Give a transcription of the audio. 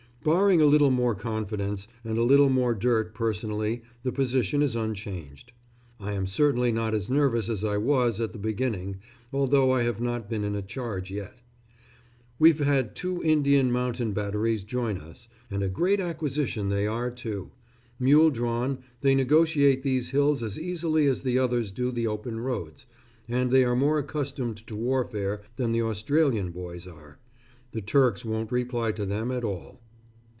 Barring a little more confidence and a little more dirt personally the position is unchanged. I am certainly not as nervous as I was at the beginning, although I have not been in a charge yet. We've had two Indian Mountain Batteries join us, and a great acquisition they are, too. Mule drawn, they negotiate these hills as easily as the others do the open roads, and they are more accustomed to warfare than the Australian boys are. The Turks won't reply to them at all....